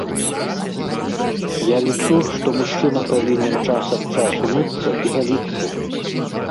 Я лічу, што мужчына павінен час ад часу мыцца і галіцца.